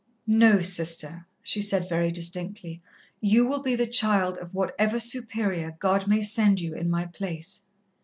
"No, Sister," she said very distinctly. "You will be the child of whatever Superior God may send you in my place."